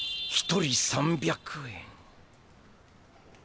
１人３００円。